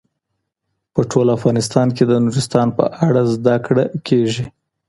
په ټول افغانستان کې د نورستان په اړه زده کړه کېږي.